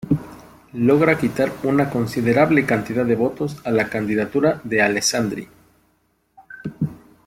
Logra quitar una considerable cantidad de votos a la candidatura de Alessandri.